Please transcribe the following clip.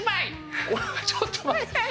ちょっと待って。